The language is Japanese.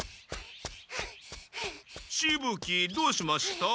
しぶ鬼どうしました？